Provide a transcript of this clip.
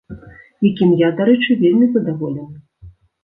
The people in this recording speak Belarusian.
Якім я, дарэчы, вельмі задаволены.